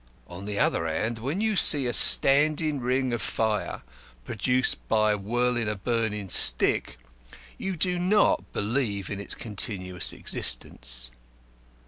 On the other hand, when you see a standing ring of fire produced by whirling a burning stick, you do not believe in its continuous existence.